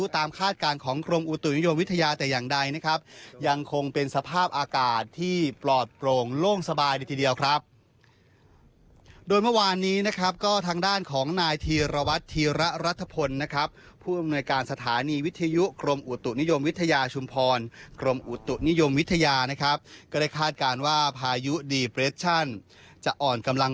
คาดการณ์ของกรมอุตุนิยมวิทยาแต่อย่างใดนะครับยังคงเป็นสภาพอากาศที่ปลอดโปร่งโล่งสบายเลยทีเดียวครับโดยเมื่อวานนี้นะครับก็ทางด้านของนายธีรวัตรธีระรัฐพลนะครับผู้อำนวยการสถานีวิทยุกรมอุตุนิยมวิทยาชุมพรกรมอุตุนิยมวิทยานะครับก็ได้คาดการณ์ว่าพายุดีเปรตชันจะอ่อนกำลัง